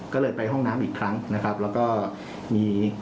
ก็เลยไปห้องน้ำอีกครั้งนะครับแล้วก็มี